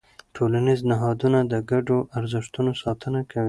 ټولنیز نهادونه د ګډو ارزښتونو ساتنه کوي.